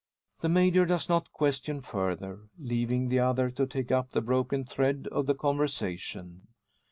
The Major does not question further, leaving the other to take up the broken thread of the conversation.